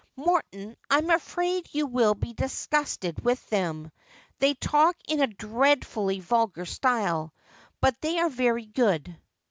' Morton, I'm afraid you will be disgusted with them. They talk in a dreadfully vulgar style, but they are very good.'